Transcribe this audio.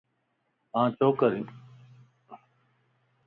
آن ڇوڪري